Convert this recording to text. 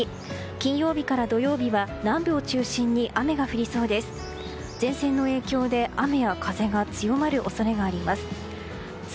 金曜日から土曜日は南部を中心に雨が降りそうです。